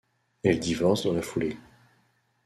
Elle divorce dans la foulée.